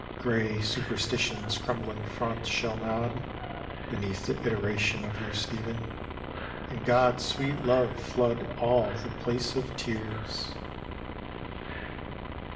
Grey superstition's crumbling front shall nod Beneath the iteration of your steven, And God's sweet love flood all the place of tears.